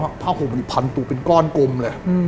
แล้วผมห่มอยู่พันตุเป็นก้อนกลมเลย